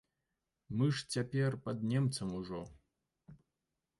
Мы ж цяпер пад немцам ужо.